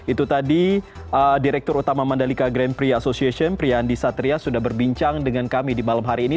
itu tadi direktur utama mandalika grand prix association priyandi satria sudah berbincang dengan kami di malam hari ini